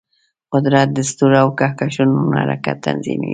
قدرت د ستورو او کهکشانونو حرکت تنظیموي.